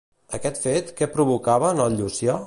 Aquest fet, què provocava en el Llucià?